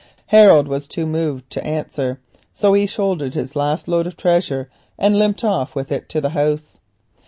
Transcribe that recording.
Harold was too moved to answer, so he shouldered his last load of treasure and limped off with it to the house.